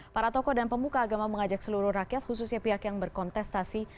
para tokoh dan pemuka agama mengajak seluruh rakyat khususnya pihak yang berkontestasi